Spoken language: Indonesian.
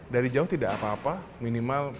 dari jauh tidak apa apa minimal